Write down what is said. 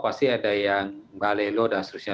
pasti ada yang galelo dan seterusnya